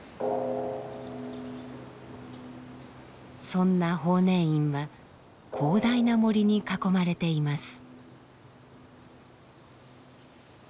そんな法然院は広大な森に囲まれています。